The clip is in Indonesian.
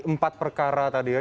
empat perkara tadi ya